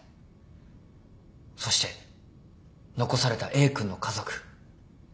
そして残されたＡ君の家族。